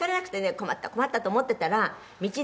困った困ったと思っていたら道でなんか」